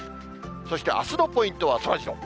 そしてあすのポイントは、そらジロー。